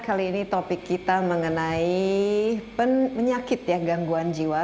kali ini topik kita mengenai penyakit ya gangguan jiwa